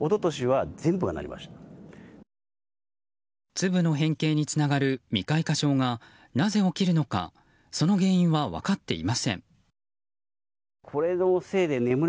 粒の変形につながる未開花症がなぜ起きるのかその原因は分かっていません。